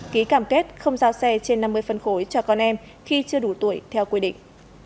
ký cam kết không giao xe trên năm mươi phân khối cho con em khi chưa đủ tuổi theo quy định